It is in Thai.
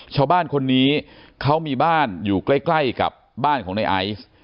ชาวบ้านคนนี้เขามีบ้านอยู่ใกล้กับบ้านของในไอซ์